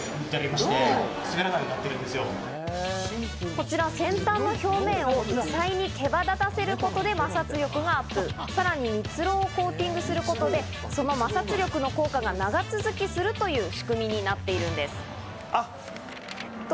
こちら先端の表面を微細に毛羽立たせることで、摩擦力がアップ、さらに蜜蝋をコーティングすることで、その摩擦力の効果が長続きするという仕組みになっているんです。